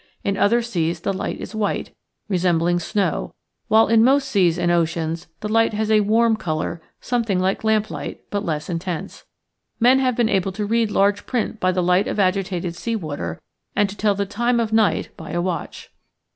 In other seas the light is white, resembling snow, while in most seas and oceans the liffht has a warm color something like lamplight, but less intense. Men have been able to read large print by the light of agitated sea water and to tell the time of night by a watch.